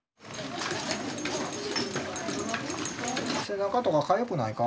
背中とかかゆくないか？